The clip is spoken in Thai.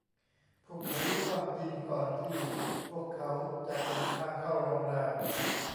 พวกเขารู้ความจริงก่อนที่พวกเขาจะถึงทางเข้าโรงแรม